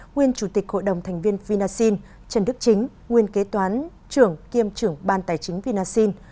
nguyên chủ tịch hội đồng thành viên vinasin trần đức chính nguyên kế toán trưởng kiêm trưởng ban tài chính vinasin